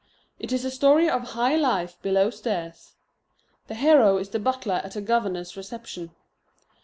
It is a story of high life below stairs. The hero is the butler at a governor's reception.